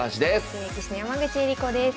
女流棋士の山口恵梨子です。